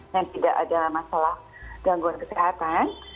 dan tidak ada masalah gangguan kesehatan